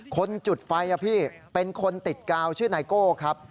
คนจุดไฟพี่เป็นคนติดกาวชื่อไนโก้ครับ